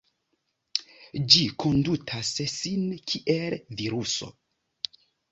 Ĝi kondutas sin kiel viruso.